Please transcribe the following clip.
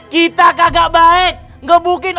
kita kagak baik ngebukin